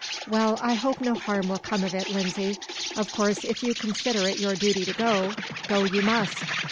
"Well, I hope no harm will come of it, Lindsay. Of course, if you consider it your duty to go, go you must."